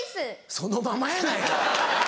そのままやないか。